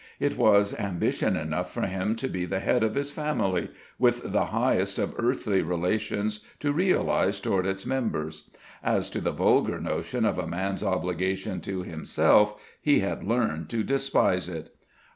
It was ambition enough for him to be the head of his family, with the highest of earthly relations to realize toward its members. As to the vulgar notion of a man's obligation to himself, he had learned to despise it.